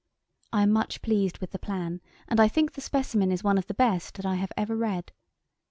I am much pleased with the plan, and I think the specimen is one of the best that I have ever read.